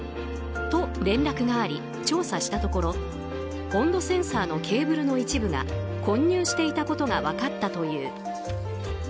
と、連絡があり調査したところ温度センサーのケーブルの一部が混入していたことが分かったという。